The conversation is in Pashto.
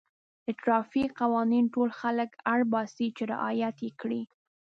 د ټرافیک قوانین ټول خلک اړ باسي چې رعایت یې کړي.